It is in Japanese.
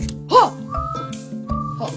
あっ！